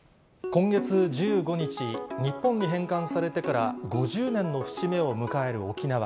今月１５日、日本に返還されてから５０年の節目を迎える沖縄。